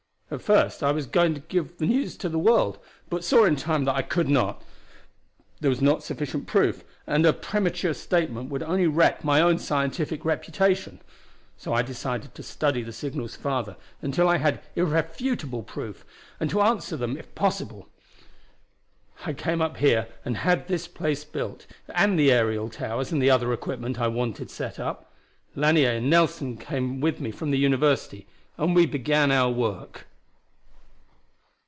"At first I was going to give the news to the world, but saw in time that I could not. There was not sufficient proof, and a premature statement would only wreck my own scientific reputation. So I decided to study the signals farther until I had irrefutable proof, and to answer them if possible. I came up here and had this place built, and the aerial towers and other equipment I wanted set up. Lanier and Nelson came with me from the university, and we began our work.